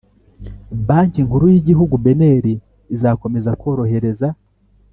banki nkuru y'igihugu (bnr) izakomeza korohereza